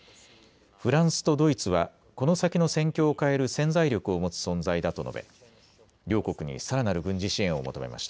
フランスとドイツはこの先の戦況を変える潜在力を持つ存在だと述べ、両国にさらなる軍事支援を求めました。